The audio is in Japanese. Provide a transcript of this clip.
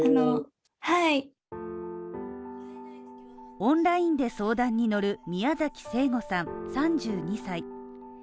オンラインで相談に乗る宮崎成悟さん３２歳。